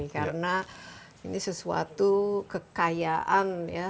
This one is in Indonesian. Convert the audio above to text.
karena ini sesuatu kekayaan ya